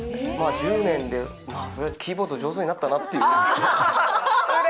１０年でキーボード上手になったなあっていう。